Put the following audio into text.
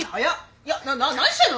いや何してんの！？